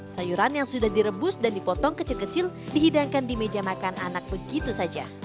sayuran yang sudah direbus dan dipotong kecil kecil dihidangkan di meja makan anak begitu saja